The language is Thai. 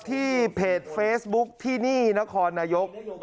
ที่เพจเฟซบุ๊คที่นี่นครนายก